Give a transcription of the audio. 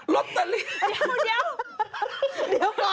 โรตเตอรี่เดี๋ยว